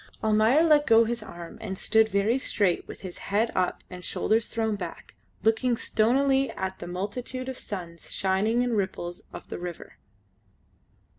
Almayer let go his arm and stood very straight with his head up and shoulders thrown back, looking stonily at the multitude of suns shining in ripples of the river.